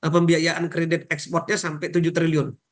pembiayaan kredit ekspornya sampai tujuh triliun